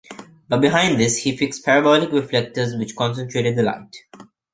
But behind this he fixed parabolic reflectors which concentrated the light.